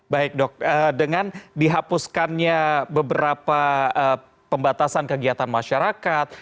baik dok dengan dihapuskannya beberapa pembatasan kegiatan masyarakat